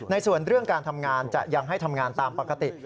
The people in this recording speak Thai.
ส่วนเรื่องการทำงานจะยังให้ทำงานตามปกติ